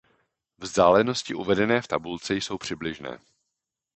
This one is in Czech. Vzdálenosti uvedené v tabulce jsou přibližné.